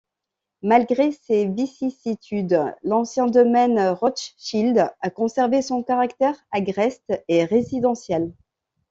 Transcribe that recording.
Malgré ces vicissitudes, l’ancien domaine Rothschild a conservé son caractère agreste et résidentiel.